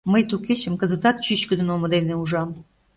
Мый ту кечым кызытат чӱчкыдын омо дене ужам.